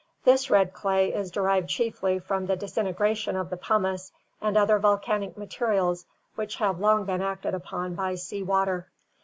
This red clay is derived chiefly from the disintegration of the pumice and other volcanic materials which have long been acted upon by sea water.